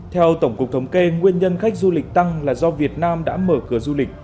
theo tổng cục thống kê nguyên nhân khách du lịch tăng là do việt nam đã mở cửa du lịch